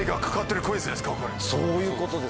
そういうことです。